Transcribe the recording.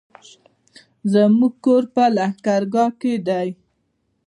زموږ کور په لښکرګاه کی دی